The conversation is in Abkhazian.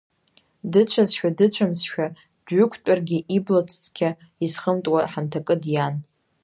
Дыцәазшәа, дыцәамзшәа, дҩықәтәаргьы иблацә цқьа изхымтуа, ҳамҭакы диан.